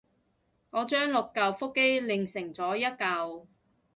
我將六舊腹肌鍊成咗做一舊